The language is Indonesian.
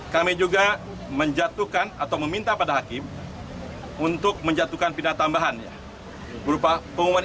kami juga menjatuhkan atau meminta pada hakim untuk menjatuhkan pidana tambahannya berupa pengumuman